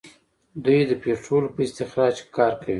دوی د پټرولو په استخراج کې کار کوي.